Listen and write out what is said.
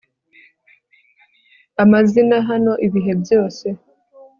amazina hano ibihe byose